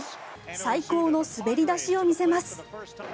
最高の滑り出しを見せます。